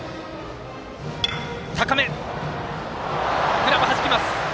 グラブはじきます。